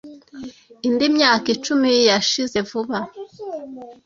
Indi myaka icumi yashize vuba.